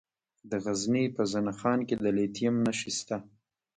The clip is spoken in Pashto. د غزني په زنه خان کې د لیتیم نښې شته.